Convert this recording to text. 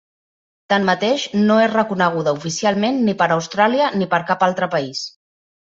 Tanmateix, no és reconeguda oficialment ni per Austràlia ni per cap altre país.